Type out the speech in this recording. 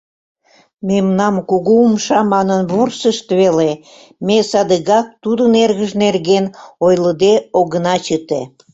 Мемнам «кугу умша» манын вурсышт веле, ме садыгак тудын эргыж нерген ойлыде огына чыте.